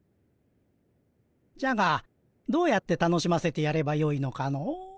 じゃがどうやって楽しませてやればよいのかの。